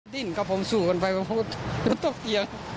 ดิ้นกับผมสู้กันไปเพราะผมต้องเตียง